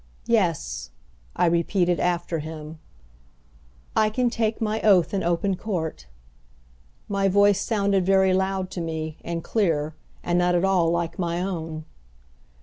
"Yes," I repeated after him, "I can take my oath in open court." My voice sounded very loud to me, and clear, and not at all like my own.